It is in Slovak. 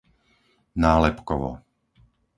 Nálepkovo